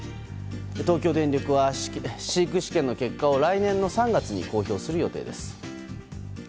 東京電力は飼育試験の結果を来年の３月に公表する予定です。